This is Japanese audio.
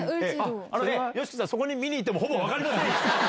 ＹＯＳＨＩＫＩさん、そこに見に行ってもほぼ分かりませんよ。